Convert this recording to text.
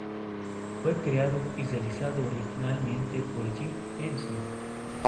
Fue creado y realizado originalmente por Jim Henson.